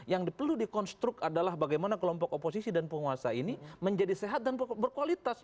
yang perlu dikonstruk adalah bagaimana kelompok oposisi dan penguasa ini menjadi sehat dan berkualitas